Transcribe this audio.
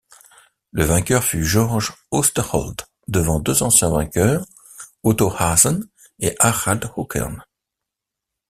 Le vainqueur fut Georg Østerholt, devant deux anciens vainqueurs, Otto Aasen et Harald Økern.